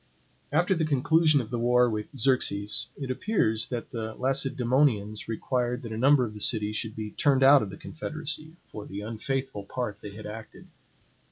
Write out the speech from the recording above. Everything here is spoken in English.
After the conclusion of the war with Xerxes, it appears that the Lacedaemonians required that a number of the cities should be turned out of the confederacy for the unfaithful part they had acted.